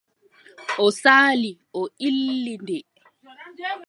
O sali, o illi nde.